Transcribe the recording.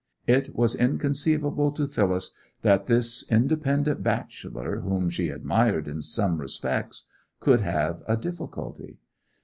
It was inconceivable to Phyllis that this independent bachelor—whom she admired in some respects—could have a difficulty.